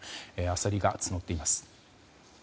焦りが募っています。